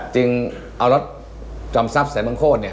จริงเอารถจอมทราบแสนบังโคตร